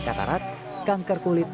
katarat kanker kulit